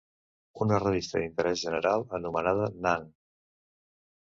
Una revista d'interès general anomenada "Nang!"